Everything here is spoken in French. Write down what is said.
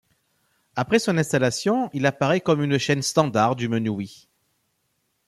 Après son installation, Il apparaît comme une chaîne standard du menu Wii.